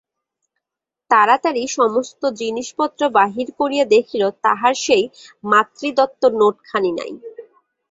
তাড়াতাড়ি সমস্ত জিনিসপত্র বাহির করিয়া দেখিল তাহার সেই মাতৃদত্ত নোটখানি নাই।